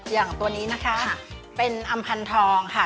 อย่างตัวนี้นะคะเป็นอำพันธองค่ะ